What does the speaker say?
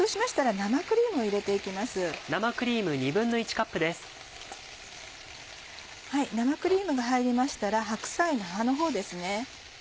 生クリームが入りましたら白菜の葉のほうですね。